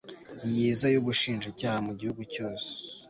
myiza y ubushinjacyaha mu gihugu cyose